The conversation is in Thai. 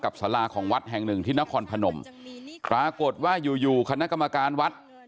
สาราของวัดแห่งหนึ่งที่นครพนมปรากฏว่าอยู่อยู่คณะกรรมการวัด